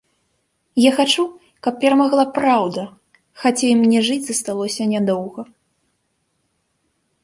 Я хачу, каб перамагла праўда, хаця і мне жыць засталося нядоўга.